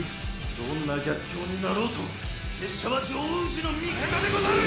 どんな逆境になろうと拙者はジョー氏の味方でござる！